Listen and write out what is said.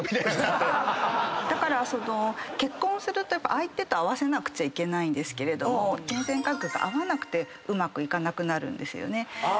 だから結婚すると相手と合わせなくちゃいけないけれど金銭感覚が合わなくてうまくいかなくなるんですよね。